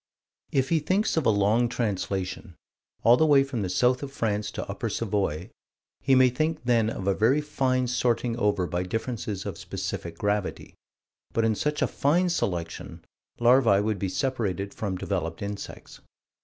If he thinks of a long translation all the way from the south of France to Upper Savoy, he may think then of a very fine sorting over by differences of specific gravity but in such a fine selection, larvae would be separated from developed insects.